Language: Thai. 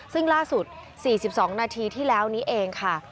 ซึ่งล่าสุด๔๒นาทีที่แล้วนี้เองค่ะ